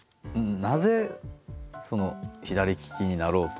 なぜ左利きになろうと？